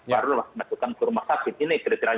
baru masuk ke rumah sakit ini kira kira